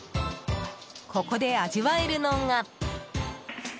ここで味わえるのが。